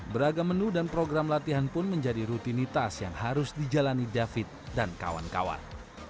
beragam menu dan program latihan pun menjadi rutinitas yang harus dijalani david dan kawan kawan